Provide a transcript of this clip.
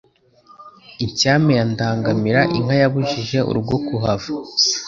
Inshyame ya Ndangamira inka yabujije urugo kuhava